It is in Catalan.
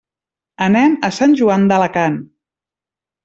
Anem a Sant Joan d'Alacant.